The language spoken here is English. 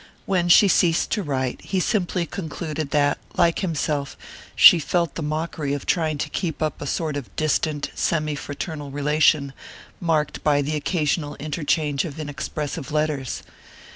When she ceased to write he had simply concluded that, like himself, she felt the mockery of trying to keep up a sort of distant, semi fraternal relation, marked by the occasional interchange of inexpressive letters.